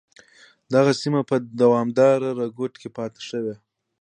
دغه سیمه په دوامداره رکود کې پاتې شوه.